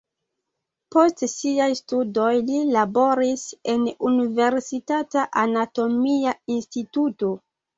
Post siaj studoj li laboris en la universitata anatomia instituto.